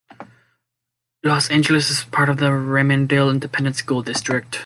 Los Angeles is a part of the Raymondville Independent School District.